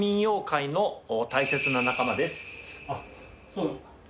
私のあっそうなんだ。